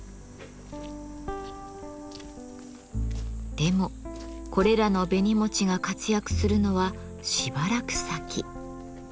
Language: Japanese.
でもこれらの紅餅が活躍するのはしばらく先。